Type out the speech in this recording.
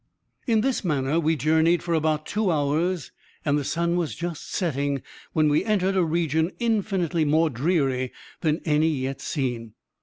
In this manner we journeyed for about two hours, and the sun was just setting when we entered a region infinitely more dreary than any yet seen.